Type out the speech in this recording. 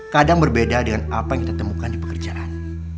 kadang berbeda dengan apa yang kita temukan di pekerjaan